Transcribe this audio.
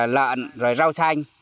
lợn rau xanh